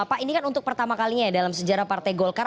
pak ini kan untuk pertama kalinya ya dalam sejarah partai golkar